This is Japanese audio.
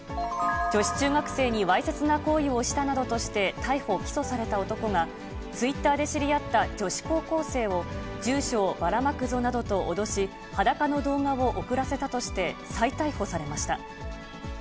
女子中学生にわいせつな行為をしたなどとして、逮捕・起訴された男が、ツイッターで知り合った女子高校生を住所をばらまくぞなどと脅し、裸の動画を送らせたとして、再逮捕されました。